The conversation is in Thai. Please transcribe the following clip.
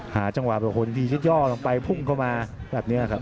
หาจังหวะจะหย่อลงไปพุ่งเข้ามาแบบนี้ครับ